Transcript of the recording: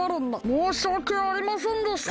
もうしわけありませんでした！